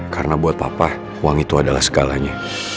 karena buat papa uang itu adalah segalanya